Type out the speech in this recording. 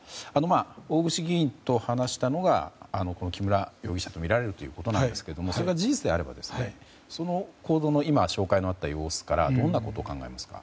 大串議員と話したのがこの木村容疑者とみられるということですがそれが事実であればその行動の紹介があった様子からどんなことを考えますか。